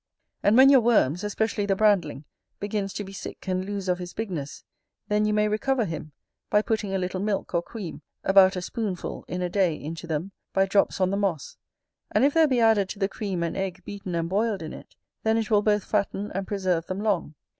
And when your worms, especially the brandling, begins to be sick and lose of his bigness, then you may recover him, by putting a little milk or cream, about a spoonful in a day, into them, by drops on the moss; and if there be added to the cream an egg beaten and boiled in it, then it will both fatten and preserve them long.